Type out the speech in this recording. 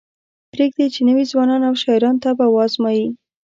پریږدئ چې نوي ځوانان او شاعران طبع وازمایي.